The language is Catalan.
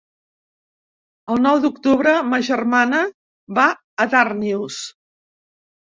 El nou d'octubre ma germana va a Darnius.